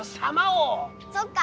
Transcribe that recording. そっか。